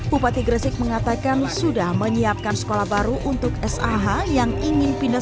bupati gresik mengatakan sudah menyiapkan sekolah baru untuk sah yang ingin pindah